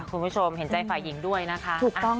คุณผู้ชมเห็นใจฝ่ายหญิงด้วยนะคะ